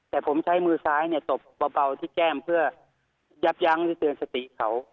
แต่ผมใช้มือซ้ายเนี่ยตบเบาที่แก้มเพื่อยับยั้งหรือเตือนสติเขา